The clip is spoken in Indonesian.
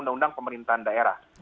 undang undang pemerintahan daerah